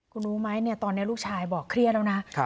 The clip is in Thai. คุณรู้ไหมเนี่ยตอนนี้ลูกชายบอกเครียดแล้วนะ